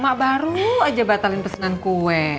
mak baru aja batalin pesenan kue